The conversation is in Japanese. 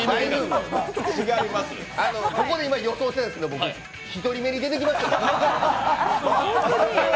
ここで予想したんですけど１人目に出てきました。